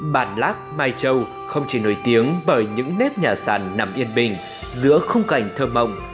bản lác mai châu không chỉ nổi tiếng bởi những nếp nhà sàn nằm yên bình giữa khung cảnh thơm mộng